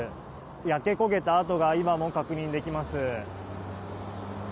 焼け焦げた跡が今も確認できます。